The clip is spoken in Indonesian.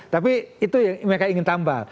tapi itu yang mereka ingin tambah